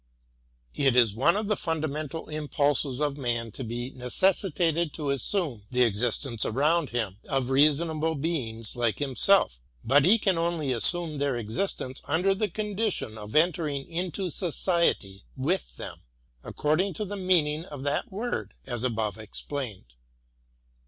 It is one of the fundamental impulses of man to be ne cessitated to assume the existence around him of reasonable beings like himself; but he can only assume their existence under the condition of entering into Society with them, ac cording to the meaning of that word as above explained.